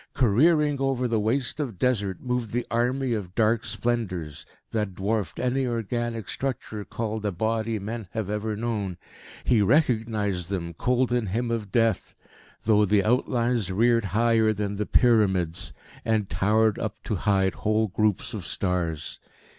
Careering over the waste of Desert moved the army of dark Splendours, that dwarfed any organic structure called a body men have ever known. He recognised them, cold in him of death, though the outlines reared higher than the pyramids, and towered up to hide whole groups of stars.